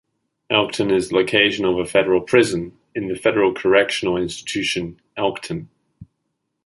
Elkton is the location of a federal prison, the Federal Correctional Institution, Elkton.